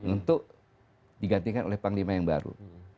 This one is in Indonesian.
untuk digantikan oleh panglima yang baru